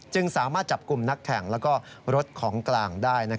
สามารถจับกลุ่มนักแข่งและรถของกลางได้